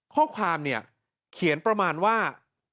ข้อความเนี่ยเขียนประมาณว่า